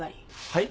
はい？